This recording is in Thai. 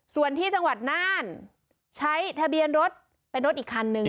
ส่วนที่จังหวัดน่านใช้ทะเบียนรถเป็นรถอีกคันนึง